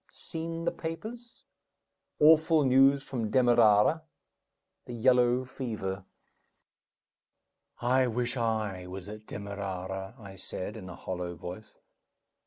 Seen the papers? Awful news from Demerara the yellow fever " "I wish I was at Demerara," I said, in a hollow voice.